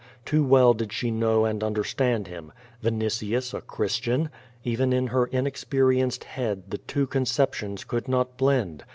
Too well did she know and understand him. Vinitius a Christian! Even in her inexperienced head the two conceptions could not blend.